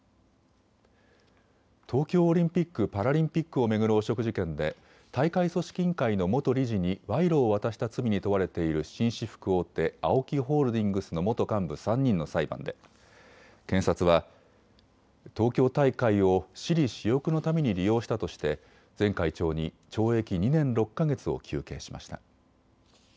東京オリンピック・パラリンピックを巡る汚職事件で大会組織委員会の元理事に賄賂を渡した罪に問われている紳士服大手、ＡＯＫＩホールディングスの元幹部３人の裁判で検察は東京大会を私利私欲のために利用したとして前会長に懲役２年６か月を求刑しました。